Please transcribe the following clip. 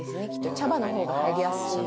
茶葉の方が入りやすい。